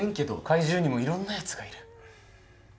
怪獣にもいろんなやつがいる。